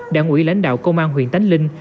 đảng ủy lãnh đạo công an huyện tánh linh